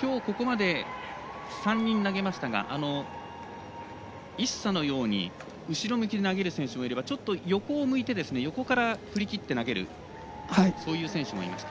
きょうここまで３人投げましたがイッサのように後ろ向きで投げる選手もいればちょっと横を向いて横から振り切って投げる、そういう選手もいました。